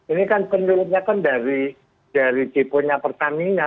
ini kan penurutnya dari tipunya pertamina